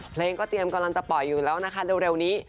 เพลงก็เตรียมกำลังจะปล่อยอยู่แล้วนะคะเร็วนี้